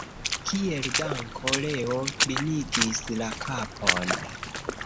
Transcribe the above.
Kiel danko Leo klinigis la kapon.